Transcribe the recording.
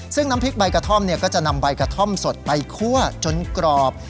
ซึ่งน้ำพริกใบกระท่อมก็จะนำใบกระท่อมสดไปคั่วจนกรอบ